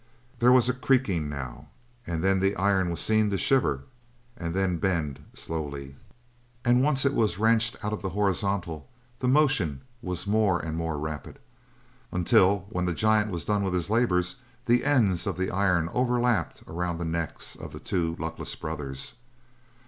There was a creaking, now, and then the iron was seen to shiver and then bend, slowly, and once it was wrenched out of the horizontal, the motion was more and more rapid. Until, when the giant was done with his labor, the ends of the iron over lapped around the necks of the two luckless brothers.